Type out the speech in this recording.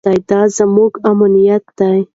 دا زموږ امانت دی.